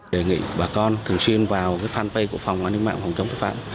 đề nghị bà con thường xuyên vào fanpage của phòng an ninh mạng phòng chống thất phạm